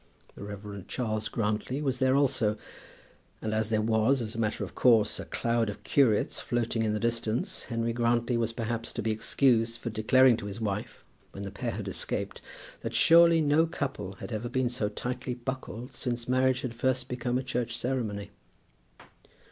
The Rev. Charles Grantly was there also; and as there was, as a matter of course, a cloud of curates floating in the distance, Henry Grantly was perhaps to be excused for declaring to his wife, when the pair had escaped, that surely no couple had ever been so tightly buckled since marriage had first become a Church ceremony.